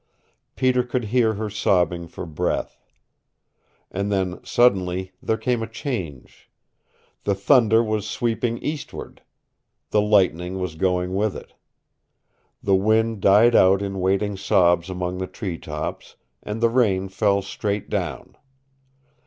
Peter could hear her sobbing for breath. And then suddenly, there came a change. The thunder was sweeping eastward. The lightning was going with it. The wind died out in wailing sobs among the treetops, and the rain fell straight down.